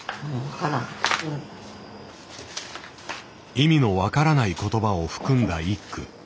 意味の分からない言葉を含んだ１句。